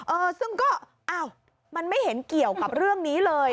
เออซึ่งก็อ้าวมันไม่เห็นเกี่ยวกับเรื่องนี้เลย